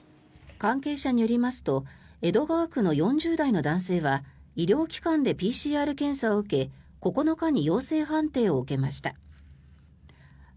関係者によりますと江戸川区の４０代の男性は医療機関でＰＣＲ検査を受け９日に陽性判定を受けました。